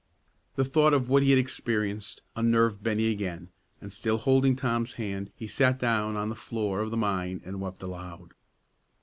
The thought of what he had experienced unnerved Bennie again, and, still holding Tom's hand, he sat down on the floor of the mine and wept aloud.